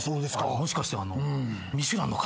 もしかしてあの『ミシュラン』の方。